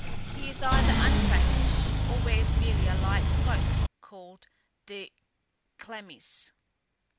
He is either undraped, or wears merely the light cloak called the chlamys.